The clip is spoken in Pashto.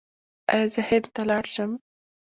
ایا زه هند ته لاړ شم؟